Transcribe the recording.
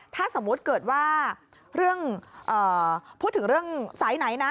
ถ้าสมมุติเกิดว่าเรื่องพูดถึงเรื่องสายไหนนะ